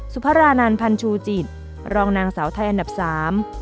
สุพรานันพันชูจิตรองนางสาวไทยอันดับสาม